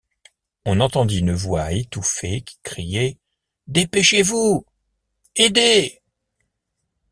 On entendit une voix étouffée qui criait: Dépêchez-vous! aidez !